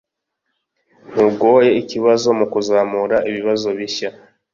ntugoye ikibazo mukuzamura ibibazo bishya